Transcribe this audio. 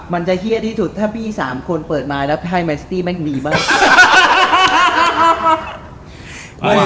มันจะเฮียที่สุดถ้าพี่สามคนเปิดไม้แล้วไทยมันจะเฮียที่สุดแม่งมีเมื่อไหร่